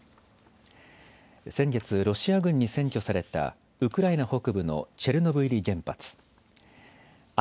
先月、ロシア軍に占拠されたウクライナ北部のチェルノブイリ原発。